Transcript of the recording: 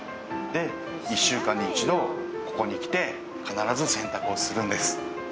で１週間に一度ここに来て必ず洗濯をするんです。